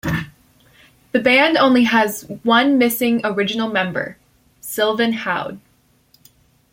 The band only has one missing original member, Sylvain Houde.